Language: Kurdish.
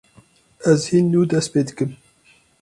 Ez hîn nû dest pê dikim.